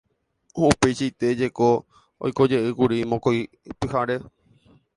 Upeichaite jeko oikojeýkuri mokõi pyhare.